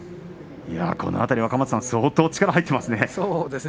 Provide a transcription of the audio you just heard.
この辺り相当力が入っていますね。